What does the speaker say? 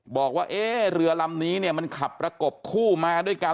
บอกว่าเรือลำนี้เนี่ยมันขับประกบคู่มาด้วยกัน